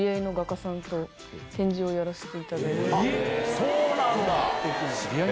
そうなんだ！